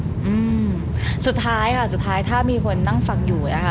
อืมสุดท้ายค่ะสุดท้ายถ้ามีคนนั่งฟังอยู่นะคะ